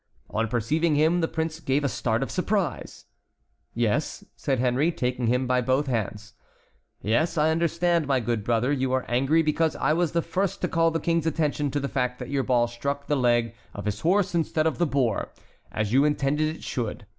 On perceiving him the prince gave a start of surprise. "Yes," said Henry, taking him by both hands; "yes, I understand, my good brother, you are angry because I was the first to call the King's attention to the fact that your ball struck the leg of his horse instead of the boar, as you intended it should.